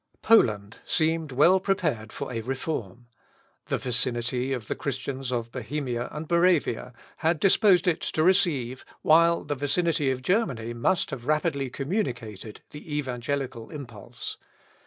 Poland seemed well prepared for a reform. The vicinity of the Christians of Bohemia and Moravia had disposed it to receive, while the vicinity of Germany must have rapidly communicated, the evangelical impulse.